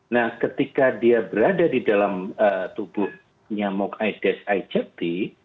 nah ketika dia berada di dalam tubuh nyamuk aedes aegypti